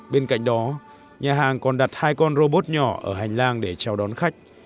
bên cạnh đó nhà hàng còn đặt hai con robot nhỏ ở hành lang để chào đón khách